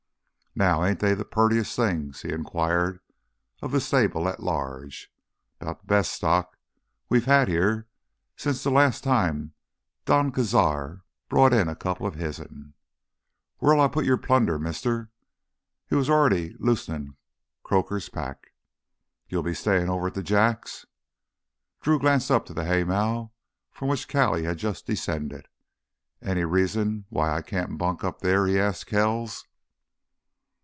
"Now ain't they th' purtiest things?" he inquired of the stable at large. "'Bout th' best stock we've had here since th' last time Don Cazar brought in a couple o' hissen. Where'll I put your plunder, mister?" He was already loosing Croaker's pack. "You be stayin' over to th' Jacks?" Drew glanced up at the haymow from which Callie had just descended. "Any reason why I can't bunk up there?" he asked Kells.